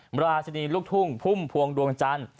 ราชนีลูกทุ่งพุ่มพวงดวงจันทร์